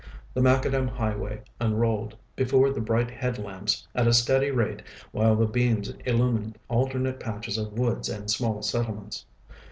The macadam highway unrolled before the bright head lamps at a steady rate while the beams illumined alternate patches of woods and small settlements.